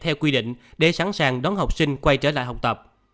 theo quy định để sẵn sàng đón học sinh quay trở lại học tập